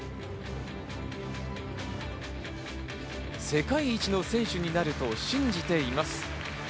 「世界一の選手になると信じています」。